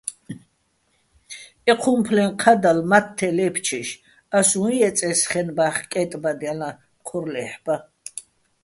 ეჴუმფლეჼ ჴადალ მათთე ლე́ფჩეშ ას უჼ ჲეწე́ს ხენბა́ხ კე́ტბადჲალაჼ ჴორ ლე́ჰ̦ბაჼ?